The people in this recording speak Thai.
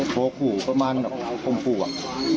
โทรขู่ประมาณกับผมป่วง